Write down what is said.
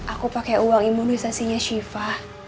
aku pake uang imunisasinya sifa